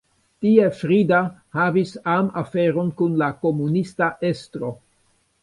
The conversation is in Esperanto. Tie Frida havis amaferon kun la komunista estro.